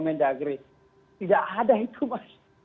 mendagri tidak ada itu mas